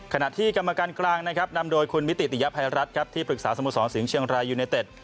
ขณะที่กรรมการกลางนะครับนำโดยคุณมิติติยภัยรัฐครับที่ปรึกษาสโมสรสิงห์เชียงรายยูเนเต็ด